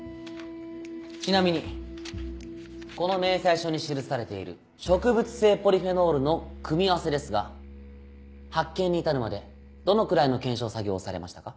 ちなみにこの明細書に記されている植物性ポリフェノールの組み合わせですが発見に至るまでどのくらいの検証作業をされましたか？